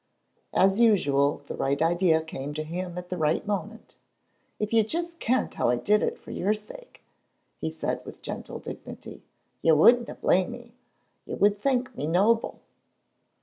As usual the right idea came to him at the right moment. "If you just kent how I did it for your sake," he said, with gentle dignity, "you wouldna blame me; you would think me noble."